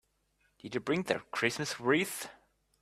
Did you bring the Christmas wreath?